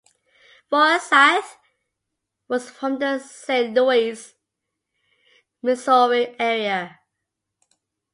Forsythe was from the Saint Louis, Missouri area.